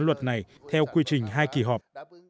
luật này theo quy trình hai kỳ họp